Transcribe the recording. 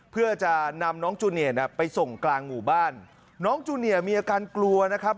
เพื่อจะนำน้องจูเนียน่ะไปส่งกลางหมู่บ้านน้องจูเนียมีอาการกลัวนะครับ